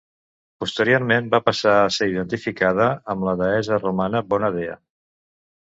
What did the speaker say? Posteriorment va passar a ser identificada amb la deessa romana Bona Dea.